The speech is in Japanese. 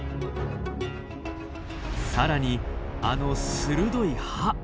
更にあの鋭い歯。